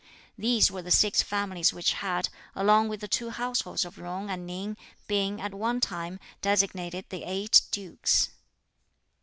These were the six families which had, along with the two households of Jung and Ning, been, at one time, designated the eight dukes.